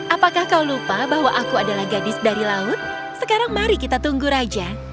apakah kau lupa bahwa aku adalah gadis dari laut sekarang mari kita tunggu raja